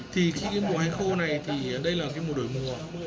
thì cái mùa hanh khô này thì đây là cái mùa đổi mùa